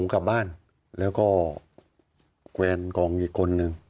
การณ์ก็ของอีกคนนึง